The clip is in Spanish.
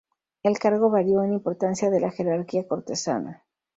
El cargo varió en importancia en la jerarquía cortesana.